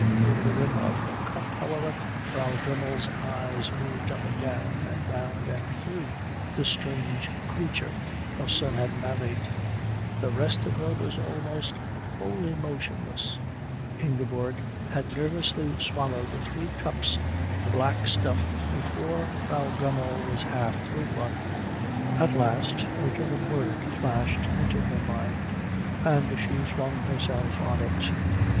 Over the rim of her cup, however, Frau Dremmel's eyes moved up and down and round and through the strange creature her son had married. The rest of her was almost wholly motionless. Ingeborg had nervously swallowed three cups of the black stuff before Frau Dremmel was half through one. At last a German word flashed into her mind and she flung herself on it.